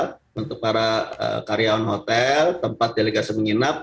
jadi hotel untuk para karyawan hotel tempat delegasi menginap